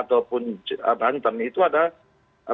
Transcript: atau sicher bahan tentu juga ada